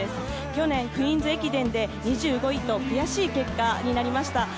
去年、クイーンズ駅伝で２５位と悔しい結果になりました。